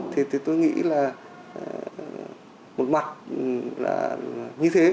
thì tôi nghĩ là một mặt là như thế